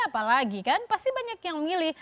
apalagi kan pasti banyak yang memilih